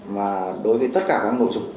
và đối với tất cả các nội dung